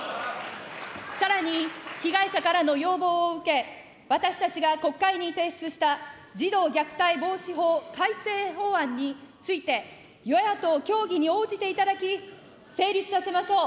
さらに被害者からの要望を受け、私たちが国会に提出した児童虐待防止法改正法案について、与野党協議に応じていただき、成立させましょう。